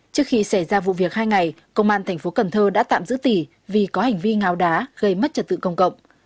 trước khi xảy ra vụ việc hai ngày công an thành phố cần thơ đã tạm giữ tỷ vì có hành vi ngáo đá gây mất trật tự công cộng